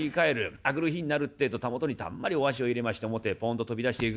明くる日になるってえと袂にたんまりおあしを入れまして表へポンと飛び出していく。